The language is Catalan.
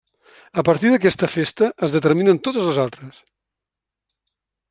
A partir d'aquesta festa es determinen totes les altres.